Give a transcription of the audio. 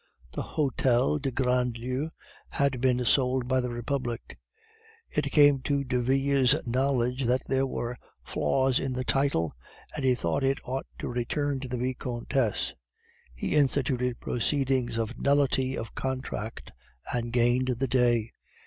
The Hotel de Grandlieu had been sold by the Republic. It came to Derville's knowledge that there were flaws in the title, and he thought that it ought to return to the Vicomtesse. He instituted proceedings for nullity of contract, and gained the day.